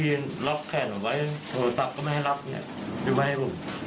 เจ้าหน้าที่รับแขนเอาไว้โทรศัพท์ก็ไม่ให้รับเนี่ยไม่ไหวหรอก